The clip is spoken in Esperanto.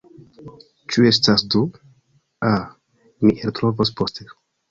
Ĉu estas du? A, mi eltrovos poste.